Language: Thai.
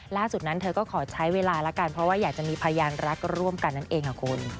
ถ้าอยากก็ไม่เป็นไรเราก็มีความใจได้ค่ะ